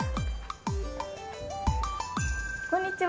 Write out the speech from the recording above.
こんにちは。